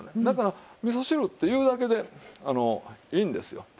だから味噌汁っていうだけであのいいんですよ。